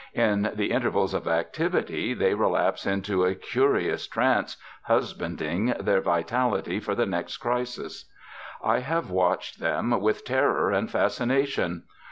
In the intervals of activity they relapse into a curious trance, husbanding their vitality for the next crisis. I have watched them with terror and fascination.